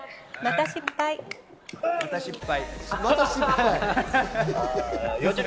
また失敗。